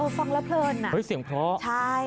เออฟังแล้วเพลิน